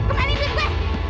tuh ini liat gue